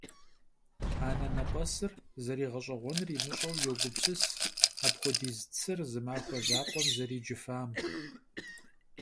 Anenep'esır zeriğeş'eğuenur yimış'eu yogupsıs apxuediz tsır zı maxue zakhuem zericıfam.